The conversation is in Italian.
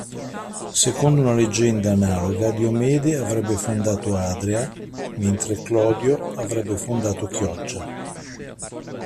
Secondo una leggenda analoga Diomede avrebbe fondato Adria mentre Clodio avrebbe fondato Chioggia.